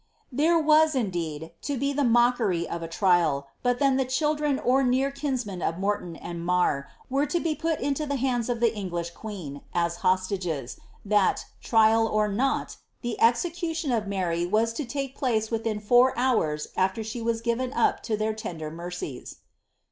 There was, indeed, to be the mockery of a trial, but then the children or near kinsfolk of Morton and Marr, were to be put into the hands of the English queen, as hostages, that, trial or not, the execution of Mary was to take place within four hours after she was givi n up to their tender mercies.